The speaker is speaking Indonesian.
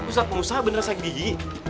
ustadz pengusaha bener sakit gigi